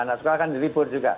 anak sekolah kan di libur juga